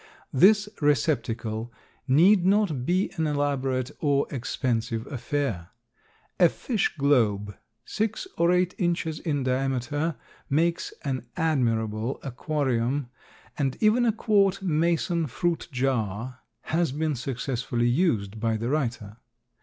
This receptacle need not be an elaborate or expensive affair. A fish globe six or eight inches in diameter makes an admirable aquarium and even a quart Mason fruit jar has been successfully used by the writer.